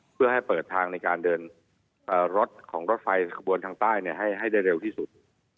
เพื่อให้เปิดทางในการเดินรถของรถไฟขบวนทางใต้ให้ได้เร็วที่สุด